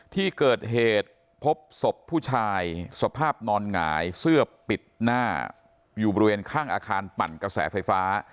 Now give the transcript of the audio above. ที่เกิดเหตุพบศพผู้ชายสภาพนอนหงายเสื้อปิดหน้าอยู่บริเวณข้างอาคารปั่นกระแสไฟฟ้า